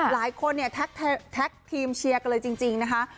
หลายคนเนี่ยแท็กทีมเชียร์กันเลยจริงนะคะ